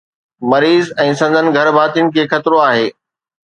مريض ۽ سندن گهرڀاتين کي خطرو آهي.